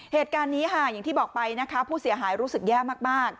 เหตุการณ์นี้ค่ะอย่างที่บอกไปนะคะผู้เสียหายรู้สึกแย่มาก